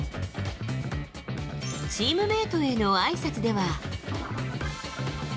チームメートへのあいさつでは。